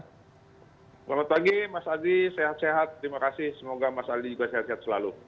selamat pagi mas adi sehat sehat terima kasih semoga mas aldi juga sehat sehat selalu